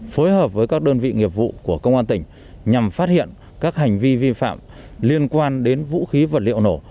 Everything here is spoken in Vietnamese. phối hợp với các đơn vị nghiệp vụ của công an tỉnh nhằm phát hiện các hành vi vi phạm liên quan đến vũ khí vật liệu nổ